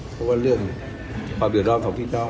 เพราะว่าเรื่องความเดือดร้อนของพี่น้อง